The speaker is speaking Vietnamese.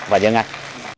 và dân anh